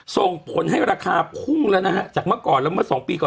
ส่งผลให้ราคาพุ่งแล้วนะฮะจากเมื่อก่อนแล้วเมื่อสองปีก่อน